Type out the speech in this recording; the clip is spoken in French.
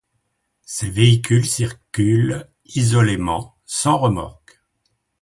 Ces voitures circulent isolément sans remorque.